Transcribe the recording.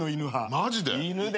マジで！？